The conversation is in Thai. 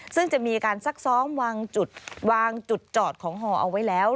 ซึ่งจะมีการซักซ้อมวางจุดวางจุดจอดของฮอเอาไว้แล้ว